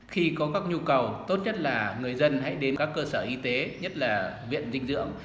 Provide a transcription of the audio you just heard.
khi có các nhu cầu tốt nhất là người dân hãy đến các cơ sở y tế nhất là viện dinh dưỡng